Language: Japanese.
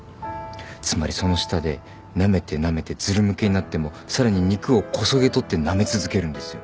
つまりその舌でなめてなめてずるむけになってもさらに肉をこそげとってなめ続けるんですよ。